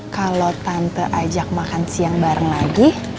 kalau tante ajak makan siang bareng lagi